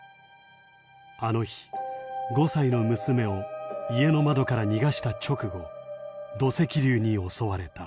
あの日５歳の娘を家の窓から逃がした直後土石流に襲われた。